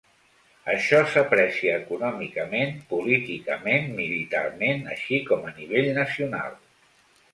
Això s'aprecia econòmicament, políticament, militarment, així com a nivell nacional.